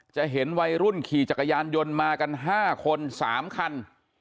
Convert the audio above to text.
จะเห็นวัยรุ่นขี่จักรยานยนต์มากัน๕คน๓คัน